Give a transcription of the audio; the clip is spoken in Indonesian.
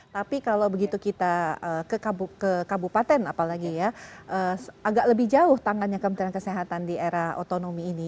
tapi kalau begitu kita ke kabupaten apalagi ya agak lebih jauh tangannya kementerian kesehatan di era otonomi ini